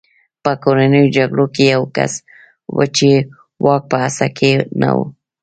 په کورنیو جګړو کې یو کس و چې واک په هڅه کې نه و